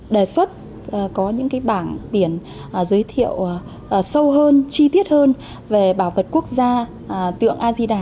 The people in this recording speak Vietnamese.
đề xuất có những bảng biển giới thiệu sâu hơn chi tiết hơn về bảo vật quốc gia tượng azida